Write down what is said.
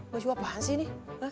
baju apaan sih ini